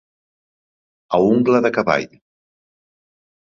A ungla de cavall.